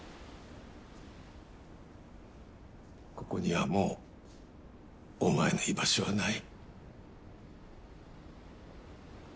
ここにはもうお前の居場所はない。